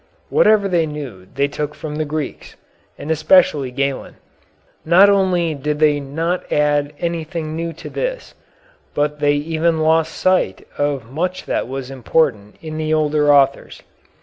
Whatever they knew they took from the Greeks, and especially Galen. Not only did they not add anything new to this, but they even lost sight of much that was important in the older authors.